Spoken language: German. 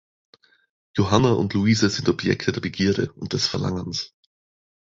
Johanna und Louise sind Objekte der Begierde und des Verlangens.